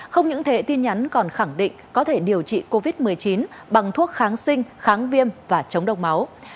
không những thế tin nhắn còn khẳng định có thể điều trị covid một mươi chín bằng thuốc kháng sinh kháng viêm và chống độc máu